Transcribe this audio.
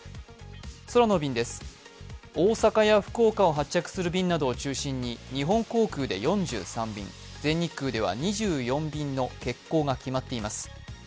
空の便です、大阪や福岡を発着する便を中心に日本航空で４３便、全日空では２４便の欠航が決まっています。